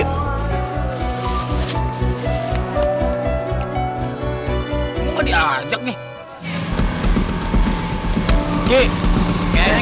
emang gak diajak nih